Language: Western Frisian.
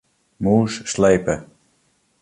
Mûs slepe.